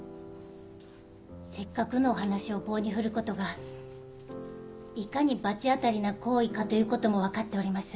・せっかくのお話を棒に振ることがいかに罰当たりな行為かということも分かっております。